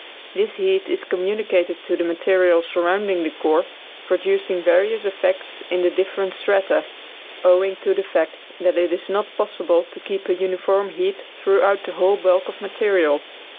This heat is communicated to the material surrounding the core, producing various effects in the different strata, owing to the fact that it is not possible to keep a uniform heat throughout the whole bulk of material.